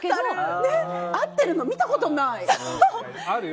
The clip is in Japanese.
合ってるの見たことない。